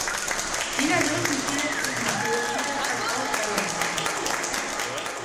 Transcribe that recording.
ბინადრობს მცირე ტყის მასივებში და ცალკეულ კორომებში.